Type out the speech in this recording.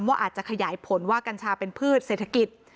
ว่าอาจจะขยายผลว่ากัญชาเป็นพืชเศรษฐกิจ